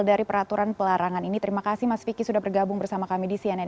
dari peraturan pelarangan ini terima kasih mas vicky sudah bergabung bersama kami di cnn